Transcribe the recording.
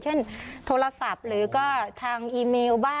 โทรศัพท์หรือก็ทางอีเมลบ้าง